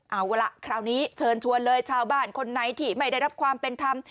เอาล่ะคราวนี้เชิญชวนเลยชาวบ้านคนไหนที่ไม่ได้รับความเป็นธรรม